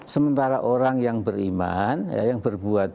sementara orang yang beriman yang berbuat